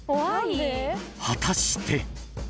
［果たして？］